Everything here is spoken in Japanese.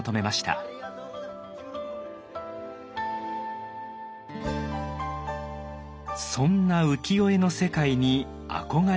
そんな浮世絵の世界に憧れを抱いた北斎。